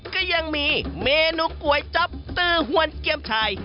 ก็ยังมีเมนูก๋วยจั๊บตือหวนเกียมชาย